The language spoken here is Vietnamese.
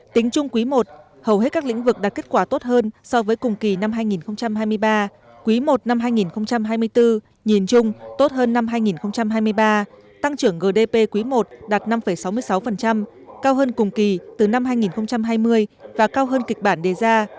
tính chung quý i hầu hết các lĩnh vực đạt kết quả tốt hơn so với cùng kỳ năm hai nghìn hai mươi ba quý i năm hai nghìn hai mươi bốn nhìn chung tốt hơn năm hai nghìn hai mươi ba tăng trưởng gdp quý i đạt năm sáu mươi sáu cao hơn cùng kỳ từ năm hai nghìn hai mươi và cao hơn kịch bản đề ra